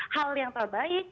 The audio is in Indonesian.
hal yang terbaik